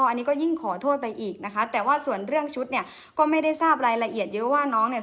อันนี้ก็ยิ่งขอโทษไปอีกนะคะแต่ว่าส่วนเรื่องชุดเนี่ยก็ไม่ได้ทราบรายละเอียดเยอะว่าน้องเนี่ย